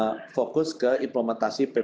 akan fokus ke implementasi ppk mikro